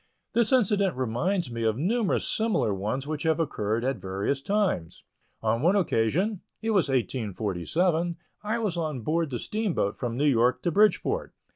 This incident reminds me of numerous similar ones which have occurred at various times. On one occasion it was in 1847 I was on board the steamboat from New York to Bridgeport.